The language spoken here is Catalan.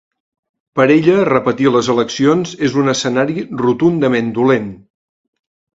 Per ella, repetir les eleccions és un ‘escenari rotundament dolent’.